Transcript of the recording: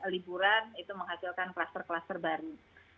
liburan itu menghasilkan kluster kluster baru